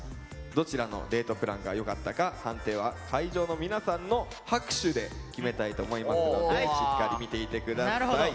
どちらのデートプランがよかったか判定は会場の皆さんの拍手で決めたいと思いますのでしっかり見ていて下さい。